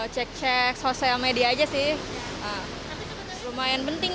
cek cek sosial media aja sih lumayan penting